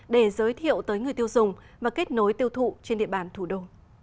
để giới thiệu tới người tiêu dùng và kết nối tiêu thụ trên địa bàn thủ đô